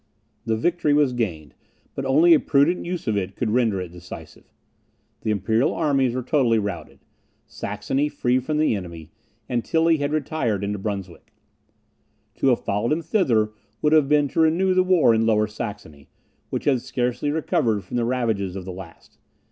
The victory was gained, but only a prudent use of it could render it decisive. The imperial armies were totally routed, Saxony free from the enemy, and Tilly had retired into Brunswick. To have followed him thither would have been to renew the war in Lower Saxony, which had scarcely recovered from the ravages of the last.